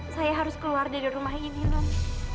saya harus keluar dari rumah ini dong